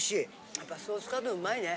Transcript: やっぱソースカツうまいね。